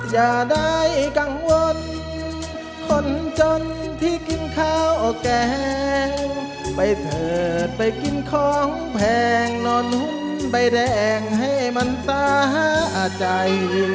อย่าได้กังวลคนจนที่กินข้าวแกงไปเถิดไปกินของแพงนอนหุ้มใบแดงให้มันตาใจ